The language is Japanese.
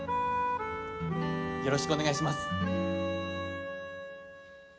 よろしくお願いします！